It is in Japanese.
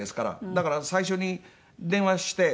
だから最初に電話して宝飾店に。